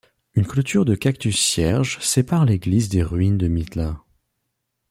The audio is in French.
Une clôture de cactus cierge sépare l'Église des ruines de Mitla.